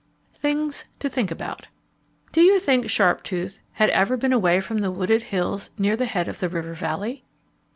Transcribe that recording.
THINGS TO THINK ABOUT Do you think Sharptooth had ever been away from the wooded hills near the head of the river valley?